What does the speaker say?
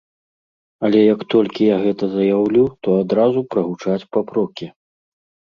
Але як толькі я гэта заяўлю, то адразу прагучаць папрокі.